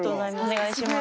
お願いします。